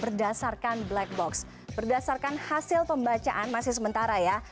berdasarkan black box berdasarkan hasil pembacaan masih sementara ya